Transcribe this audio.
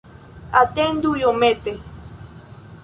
Atendu iomete.